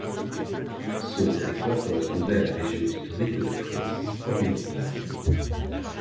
Son territoire correspondait à la région historique de Frise orientale.